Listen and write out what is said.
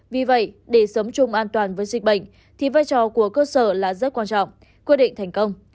vì vậy để sống chung an toàn với dịch bệnh thì vai trò của cơ sở là rất quan trọng quyết định thành công